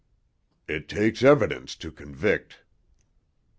"It takes evidence to convict."